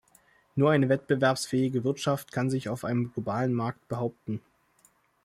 Nur eine wettbewerbsfähige Wirtschaft kann sich auf einem globalen Markt behaupten.